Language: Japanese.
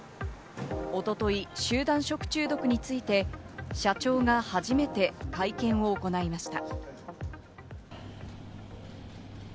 おととい、集団食中毒について社長が初めて会見を行いました。